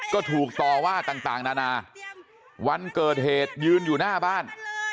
ก็ถูกต่อว่าต่างนานาวันเกิดเหตุยืนอยู่หน้าบ้าน